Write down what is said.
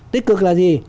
tích cực là gì